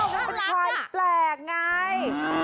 เป็นควายแปลกไง